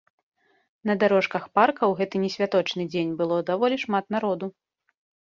На дарожках парка ў гэты несвяточны дзень было даволі шмат народу.